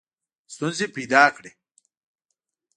ستونزي پیدا کړې.